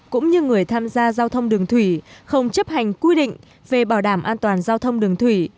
cũng như người tham gia giao thông đường thủy không chấp hành quy định về bảo đảm an toàn giao thông đường thủy